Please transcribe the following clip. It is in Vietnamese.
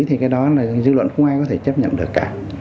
thì cái đó là dư luận không ai có thể chấp nhận được cả